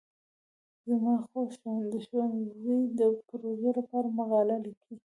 زما خور د ښوونځي د پروژې لپاره مقاله لیکي.